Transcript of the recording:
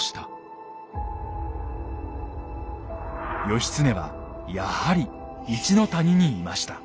義経はやはり一の谷にいました。